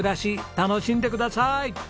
楽しんでください！